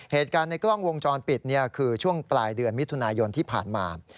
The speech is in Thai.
เหตุการณ์ในกล้องวงจรปิดคือช่วงปลายเดือนมิถุนายนที่ผ่านมา